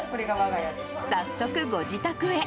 早速、ご自宅へ。